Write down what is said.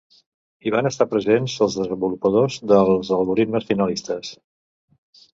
Hi van estar presents els desenvolupadors dels algorismes finalistes.